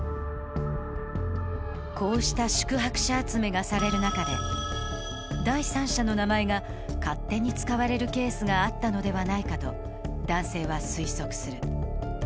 こうした宿泊者集めがされる中で、第三者の名前が勝手に使われるケースがあったのではないかと男性は推測する。